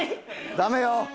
ダメよ。